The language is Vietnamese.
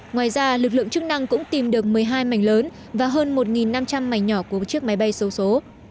nàng cũng tìm được một mươi hai mảnh lớn và hơn một năm trăm linh mảnh nhỏ của chiếc máy bay số số